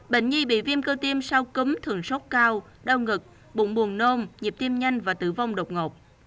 bệnh nhi bị viêm cơ tim sau cúm thường sốc cao đau ngực bụng buồn nôn nhịp tim nhanh và tử vong độc ngột